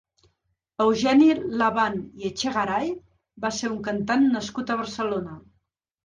Eugeni Laban i Echegaray va ser un cantant nascut a Barcelona.